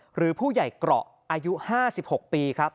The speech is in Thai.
หรือผู้ใหญ่เกราะอายุ๕๖ปีครับ